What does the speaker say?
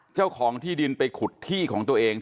เจ้าของที่ดินไปขุดที่ของตัวเอง